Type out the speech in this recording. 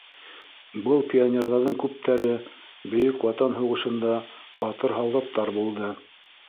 — Был пионерҙарҙың күптәре Бөйөк Ватан һуғышында батыр һалдаттар булды.